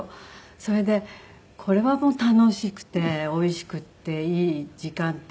それでこれはもう楽しくておいしくっていい時間っていうか。